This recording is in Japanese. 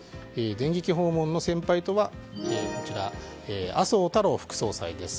電撃訪問の先輩とは麻生太郎副総裁です。